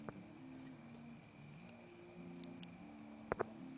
সংঘর্ষে ইন্ধন জোগানোর অভিযোগে বাচ্চু মিয়া নামের একজনকে আটক করা হয়েছে।